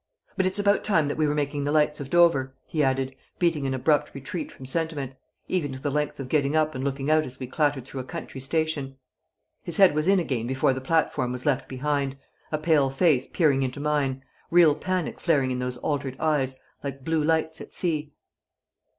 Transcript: But it's about time that we were making the lights of Dover," he added, beating an abrupt retreat from sentiment, even to the length of getting up and looking out as we clattered through a country station. His head was in again before the platform was left behind, a pale face peering into mine, real panic flaring in those altered eyes, like blue lights at sea.